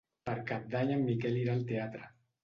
Per Cap d'Any en Miquel irà al teatre.